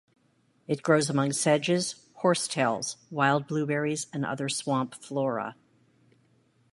It grows among sedges, horsetails, wild blueberries, and other swamp flora.